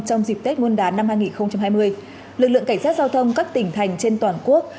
trong dịp tết nguyên đán năm hai nghìn hai mươi lực lượng cảnh sát giao thông các tỉnh thành trên toàn quốc